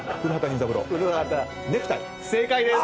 正解です！